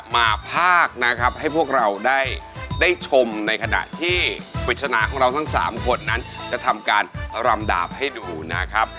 มาภาคนะครับให้พวกเราได้ชมในขณะที่ปริศนาของเราทั้ง๓คนนั้นจะทำการรำดาบให้ดูนะครับ